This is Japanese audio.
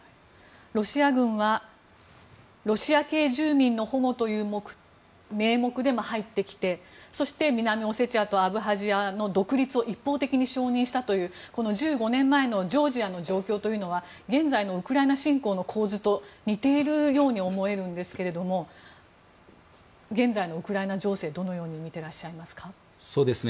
ロシア軍はロシア系住民の保護という名目でも入ってきて、そして南オセチアとアブハジアの独立を一方的に承認したという１５年前のジョージアの状況というのは現在のウクライナ侵攻の構図と似ているように思えるんですけども現在のウクライナ情勢をどのようにみていますか。